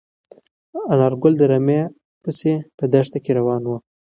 انارګل د رمې پسې په دښته کې روان و.